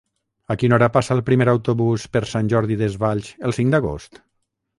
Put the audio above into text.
A quina hora passa el primer autobús per Sant Jordi Desvalls el cinc d'agost?